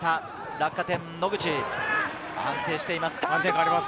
落下点に野口、安定しています。